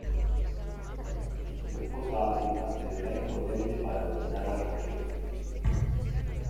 Su esposa África se vera impotente para detener la tragedia.